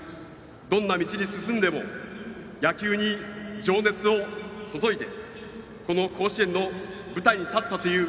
どんな道に進んでも野球に情熱を注いでこの甲子園の舞台に立ったという